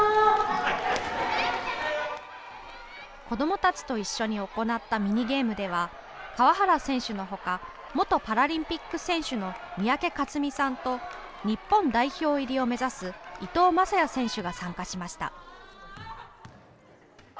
子どもたちと一緒に行ったミニゲームでは、川原選手のほか元パラリンピックの選手の三宅克己さんと日本代表入りを目指す伊藤優也選手が参加しました。